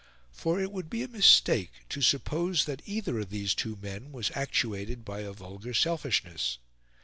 For it would be a mistake to suppose that either of these two men was actuated by a vulgar selfishness.